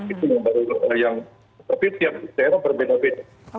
itu yang baru yang tapi tiap daerah berbeda beda